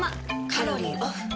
カロリーオフ。